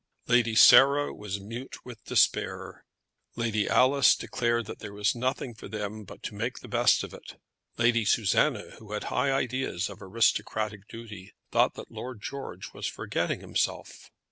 Lady Sarah was mute with despair. Lady Alice had declared that there was nothing for them but to make the best of it. Lady Susanna, who had high ideas of aristocratic duty, thought that George was forgetting himself.